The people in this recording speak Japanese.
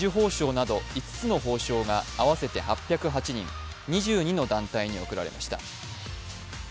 今回は紫綬褒章など５つの褒章が合わせて８０８人、２２の団体に贈られました。